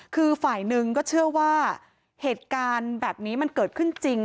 คือฝ่ายหนึ่งก็เชื่อว่าเหตุการณ์แบบนี้มันเกิดขึ้นจริง